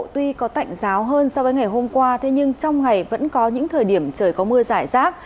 tuy có tạnh giáo hơn so với ngày hôm qua thế nhưng trong ngày vẫn có những thời điểm trời có mưa giải rác